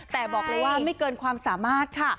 แต่บอกเลยว่าไม่เกินความสามารถค่ะ